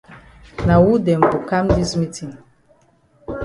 Na wu dem go kam dis meetin?